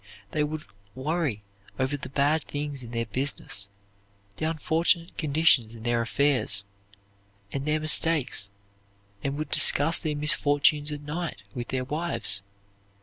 They would worry over the bad things in their business, the unfortunate conditions in their affairs, and their mistakes, and would discuss their misfortunes at night with their wives.